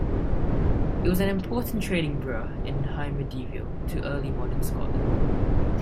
It was an important trading burgh in High Medieval to early modern Scotland.